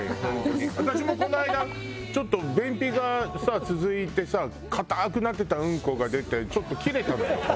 私もこの間ちょっと便秘がさ続いてさ硬くなってたウンコが出てちょっと切れたのよ。